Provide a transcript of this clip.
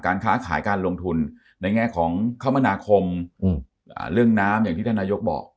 ค้าขายการลงทุนในแง่ของคมนาคมเรื่องน้ำอย่างที่ท่านนายกบอก